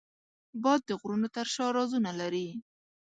باد د غرونو تر شا رازونه لري